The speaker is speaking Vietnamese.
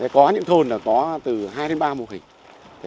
có những thôn có từ hai đến ba mô hình